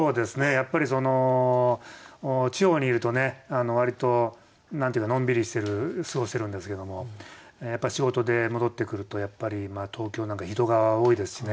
やっぱりその地方にいるとね割と何ていうかのんびりしてる過ごしてるんですけどもやっぱ仕事で戻ってくると東京なんか人が多いですしね。